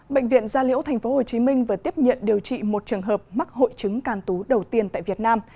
bệnh viện gia liễu tp hcm vừa tiếp nhận điều trị một trường hợp mắc hội chứng can tú đầu tiên tại việt nam